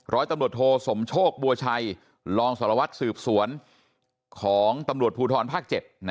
ร้อยตำรวจโทสมโชคบัวชัยรองสารวัตรสืบสวนของตำรวจภูทรภาค๗